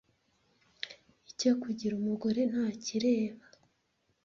icyo kugira umugore ntakireba